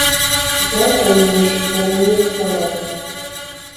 Заўтра мне ж зараней уставаць.